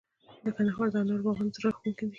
د کندهار د انارو باغونه زړه راښکونکي دي.